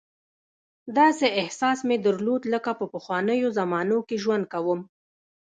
داسې احساس مې درلود لکه په پخوانیو زمانو کې ژوند کوم.